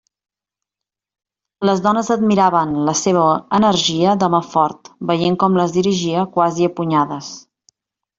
Les dones admiraven la seua energia d'home fort, veient com les dirigia quasi a punyades.